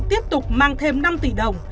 tiếp tục mang thêm năm tỷ đồng